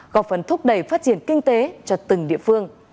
góp phần thúc đẩy phát triển kinh tế cho từng địa phương